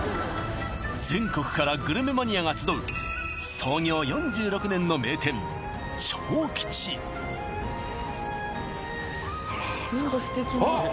全国からグルメマニアが集う創業４６年の名店長吉あっ！